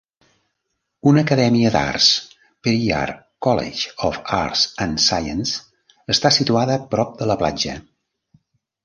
Una acadèmia d'arts, Periyar College of Arts and Science, està situada prop de la platja.